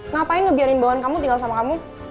ngapain ngebiarin bawahan kamu tinggal sama kamu